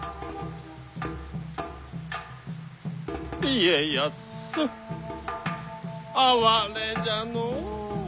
家康哀れじゃのう。